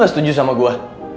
lu gak setuju sama gua